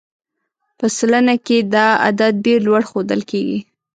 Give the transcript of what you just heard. په سلنه کې دا عدد ډېر لوړ ښودل کېږي.